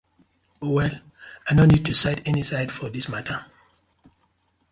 Well I no need to side any side for dis matta.